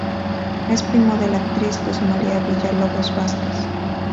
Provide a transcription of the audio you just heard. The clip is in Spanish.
Es primo de la actriz Luz Maria Villalobos Vazquez.